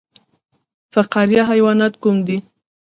فقاریه حیوانات کوم دي؟